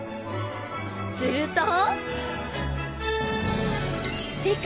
［すると］